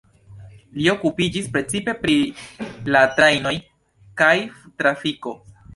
Li okupiĝis precipe pri la trajnoj kaj trafiko.